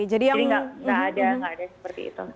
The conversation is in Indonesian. jadi nggak ada nggak ada seperti itu